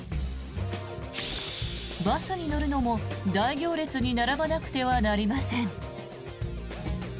バスに乗るのも大行列に並ばなくてはなりません。